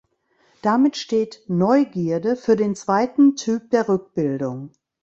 Damit steht "Neugierde" für den zweiten Typ der Rückbildung.